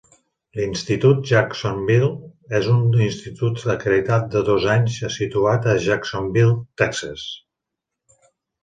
L'Institut Jacksonville és un institut acreditat de dos anys situat a Jacksonville, Texas.